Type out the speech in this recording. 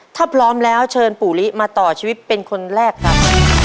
ถ้าพร้อมแล้วเชิญปู่ลิมาต่อชีวิตเป็นคนแรกครับ